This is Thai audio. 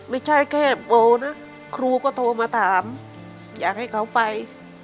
ไม่ใช่แค่โบนะครูก็โทรมาถามอยากให้เขาไป